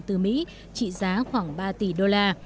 từ mỹ trị giá khoảng ba tỷ đô la